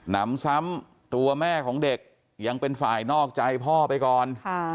นำซ้ำตัวแม่ของเด็กยังเป็นฝ่ายนอกใจพ่อไปก่อน